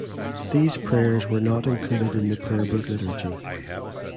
These prayers were not included in the prayer book liturgy.